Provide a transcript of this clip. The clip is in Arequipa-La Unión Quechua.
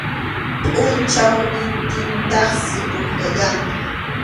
Pʼunchawnintintaqsi pukllallanku.